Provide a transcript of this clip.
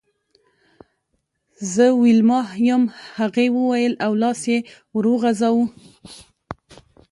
زه ویلما یم هغې وویل او لاس یې ور وغزاوه